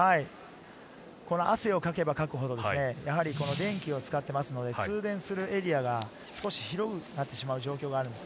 汗をかけばかくほど、電気を使っていますので、通電するエリアが少し広くなってしまう状況があります。